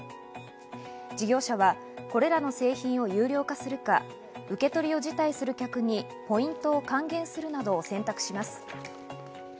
事業者はこれらの製品を有料化するか受け取りを辞退する客にポイントを還元するなどを選択します。